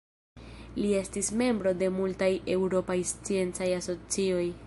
Li estis membro de multaj eŭropaj sciencaj asocioj.